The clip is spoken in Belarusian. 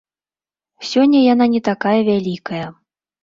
Сёння яна не такая вялікая.